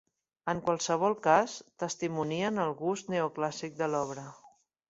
En qualsevol cas, testimonien el gust neoclàssic de l'obra.